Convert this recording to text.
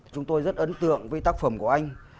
chúng tôi rất ấn tượng với tác phẩm của anh